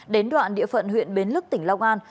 đến đoạn địa phận huyện bến lức tỉnh long an